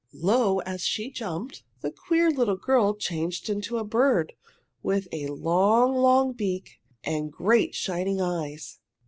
Lo, as she jumped, the queer little girl changed into a bird with a long, long beak and great shining eyes!